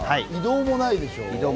移動もないでしょ。